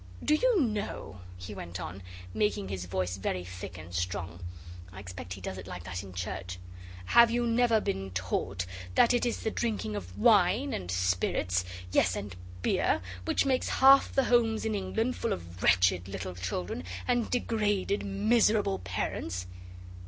'Do you know,' he went on, making his voice very thick and strong (I expect he does it like that in church), 'have you never been taught that it is the drinking of wine and spirits yes, and beer, which makes half the homes in England full of wretched little children, and degraded, miserable parents?